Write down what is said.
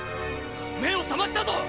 目を覚ましたぞ！